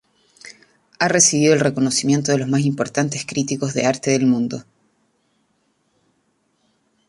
Ha recibido el reconocimiento de los más importantes críticos de arte del mundo.